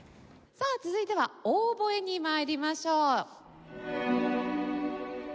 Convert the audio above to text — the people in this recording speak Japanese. さあ続いてはオーボエに参りましょう。